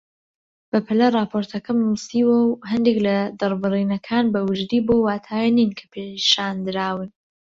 بەپەلە راپۆرتەکەم نووسیوە و هەندێک لە دەربڕینەکان بە وردی بەو واتایە نین کە پیشاندراون